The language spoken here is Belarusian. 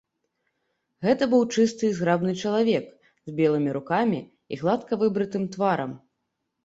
Гэта быў чысты і зграбны чалавек, з белымі рукамі і гладка выбрытым тварам.